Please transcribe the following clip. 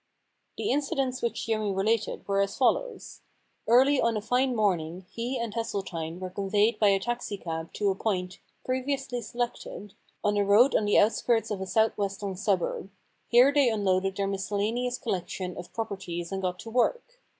The incidents which Jimmy related were as follows : Early on a fine morning he and Hesseltine were conveyed by a taxi cab to a point, previously selected, on a road on the outskirts of a south western suburb. Here they unloaded their miscellaneous collection of properties and got to work.